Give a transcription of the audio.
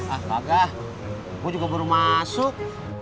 ah kagak gue juga baru masuk